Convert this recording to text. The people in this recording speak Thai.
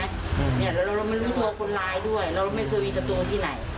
แล้วเราไม่รู้ตัวคนร้ายด้วยเราไม่เคยมีประตูที่ไหน